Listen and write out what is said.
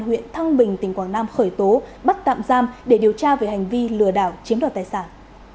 huyện thăng bình tỉnh quảng nam khởi tố bắt tạm giam để điều tra về hành vi lừa đảo chiếm đoạt tài sản